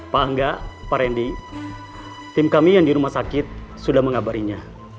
pak angga pak randy tim kami yang di rumah sakit sudah mengabarinya